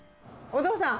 お父さん！